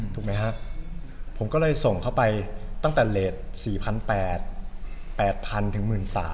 ถูกไหมฮะผมก็เลยส่งเข้าไปตั้งแต่เลส๔๘๐๐ถึง๑๓๐๐